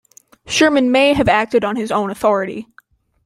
Sherman may have acted on his own authority.